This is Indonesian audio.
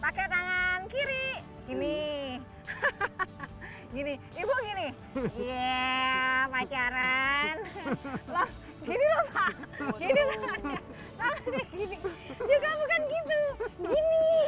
pakai tangan kiri ini hahaha gini ibu gini iya pacaran ini lupa ini juga bukan gitu gini